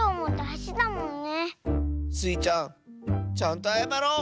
スイちゃんちゃんとあやまろう！